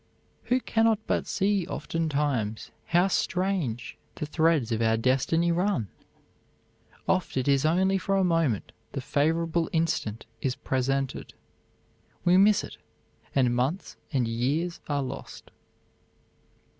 "Who cannot but see oftentimes how strange the threads of our destiny run? Oft it is only for a moment the favorable instant is presented. We miss it, and months and years are lost."